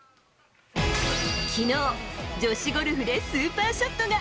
きのう、女子ゴルフでスーパーショットが。